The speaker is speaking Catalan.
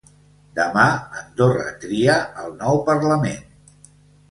Demà Andorra tria el nou parlament.